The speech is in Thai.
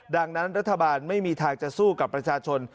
ดังนั้นรัฐบาลไม่มีทางจะสู้กับประชาชน